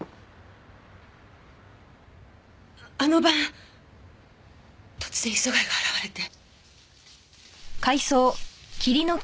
あの晩突然磯貝が現れて。